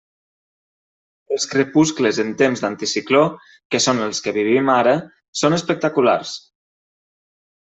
Els crepuscles en temps d'anticicló, que són els que vivim ara, són espectaculars.